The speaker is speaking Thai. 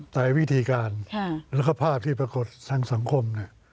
แต่วิธีการลักษณะภาพที่ปรากฏทางสังคม